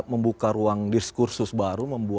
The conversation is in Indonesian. membuka ruang diskursus baru